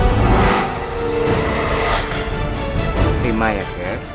beri mayat kakek